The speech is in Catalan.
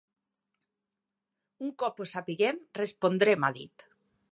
Un cop ho sapiguem, respondrem, ha dit.